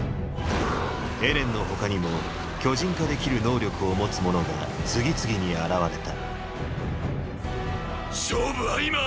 エレンの他にも巨人化できる能力を持つ者が次々に現れた勝負は今！！